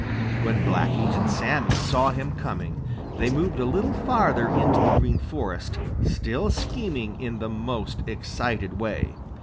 When Blacky and Sammy saw him coming, they moved a little farther in to the Green Forest, still screaming in the most excited way.